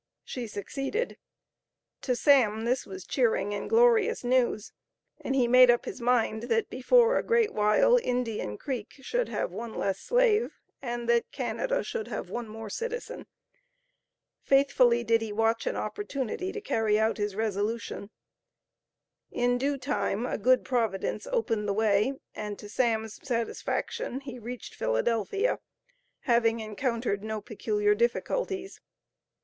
She succeeded. To "Sam" this was cheering and glorious news, and he made up his mind, that before a great while, Indian Creek should have one less slave and that Canada should have one more citizen. Faithfully did he watch an opportunity to carry out his resolution. In due time a good Providence opened the way, and to "Sam's" satisfaction he reached Philadelphia, having encountered no peculiar difficulties.